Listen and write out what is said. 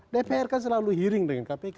dpr kan selalu hearing dengan kpk